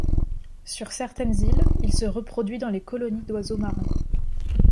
Sur certaines îles, il se reproduit dans les colonies d'oiseaux marins.